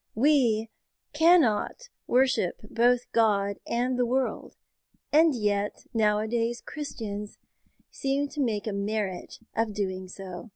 We cannot worship both God and the world, and yet nowadays Christians seem to make a merit of doing so.